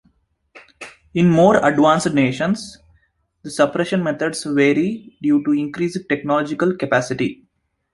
In more advanced nations, the suppression methods vary due to increased technological capacity.